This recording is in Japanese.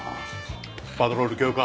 パトロール強化！